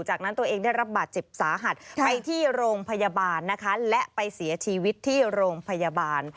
จากนั้นตัวเองได้รับบาดเจ็บสาหัสไปที่โรงพยาบาลนะคะและไปเสียชีวิตที่โรงพยาบาล